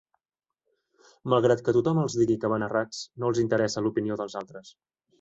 Malgrat que tothom els digui que van errats, no els interessa l'opinió dels altres.